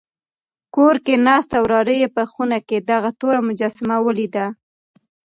کور کې ناست وراره یې په خونه کې دغه توره مجسمه ولیده.